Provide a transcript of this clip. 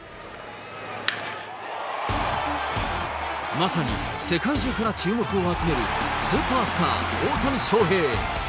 まさに世界中から注目を集めるスーパースター、大谷翔平。